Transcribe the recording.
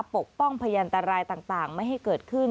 ปกป้องพยันตรายต่างไม่ให้เกิดขึ้น